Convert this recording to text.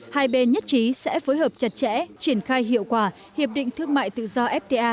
hai bên nhất trí sẽ phối hợp chặt chẽ triển khai hiệu quả hiệp định thương mại tự do fta